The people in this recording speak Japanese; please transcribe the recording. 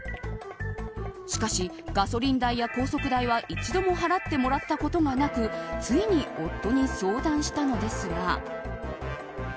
しかし、ガソリン代や高速代は一度も払ってもらったことがなくついに夫に相談したのですが。